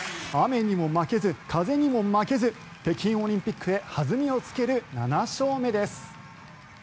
雨にも負けず、風にも負けず北京オリンピックへ弾みをつける７勝目です。